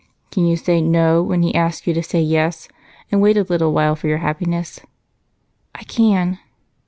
"Can you say 'no' when he asks you to say 'yes' and wait a little for your happiness?" "I can."